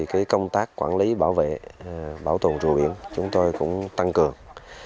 công tác quản lý bảo vệ bảo tồn rùa biển chúng tôi cũng tăng cường